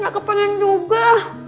gak kepalin juga